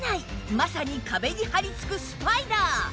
まさに壁に張りつくスパイダー